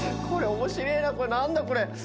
これ面白えなこれなんだ？